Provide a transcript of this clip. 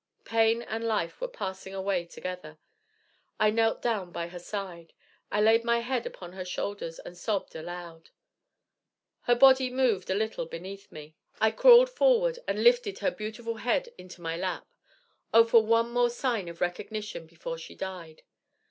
Pain and life were passing away together. I knelt down by her side. I laid my head upon her shoulders, and sobbed aloud. Her body moved a little beneath me. I crawled forward, and lifted her beautiful head into my lap. O, for one more sign of recognition before she died!